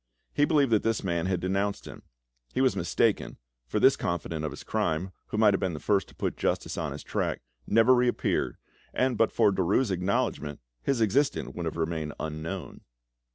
He believed that this man had denounced him: he was mistaken, for this confidant of his crime, who might have been the first to put justice on his track, never reappeared, and but for Derues' acknowledgment his existence would have remained unknown.